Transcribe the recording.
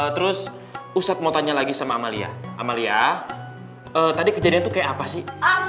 terus ustadz mau tanya lagi sama amalia amalia tadi kejadian itu kayak apa sih